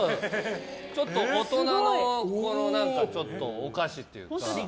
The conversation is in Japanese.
ちょっと大人のお菓子というか。